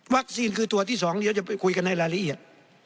วัคซีนคือตรวจที่สองเดี๋ยวจะไปคุยกันให้รายละเอียด